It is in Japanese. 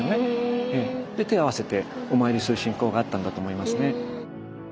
で手を合わせてお参りする信仰があったんだと思いますね。